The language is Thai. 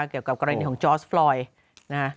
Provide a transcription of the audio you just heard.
เกี่ยวกับกรณีของจอร์สปลอยนะฮะ